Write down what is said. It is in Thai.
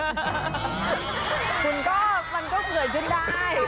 คุณก็มันก็เหงื่อขึ้นได้